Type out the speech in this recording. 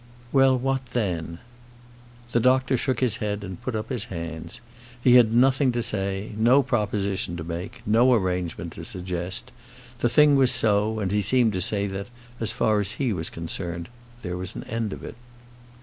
"Well, what then?" The doctor shook his head and put up his hands. He had nothing to say; no proposition to make; no arrangement to suggest. The thing was so, and he seemed to say that, as far as he was concerned, there was an end of it.